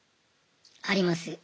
あります。